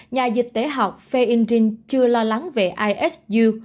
nhà dịch tế học feindring chưa lo lắng về isu